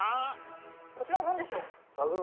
こちらはなんでしょう。